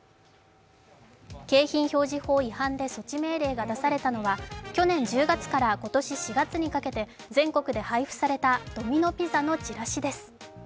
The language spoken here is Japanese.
景品表示法違反で措置命令が出されたのは去年１０月から今年４月にかけて全国で配布されたドミノ・ピザのチラシです。